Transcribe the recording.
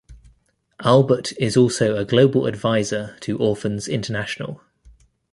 Albert is also a global adviser to Orphans International.